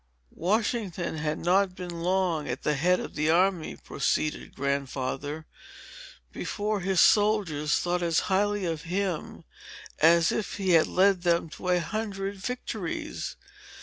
"Washington had not been long at the head of the army," proceeded Grandfather, "before his soldiers thought as highly of him, as if he had led them to a hundred victories.